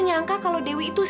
jawab dewi ibu